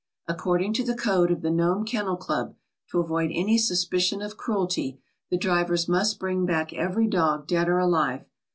"According to the code of the Nome Kennel Club, to avoid any suspicion of cruelty, the drivers must bring back every dog, dead or alive.